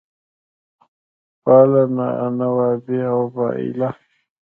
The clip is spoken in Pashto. خپله نوابي اوبائلله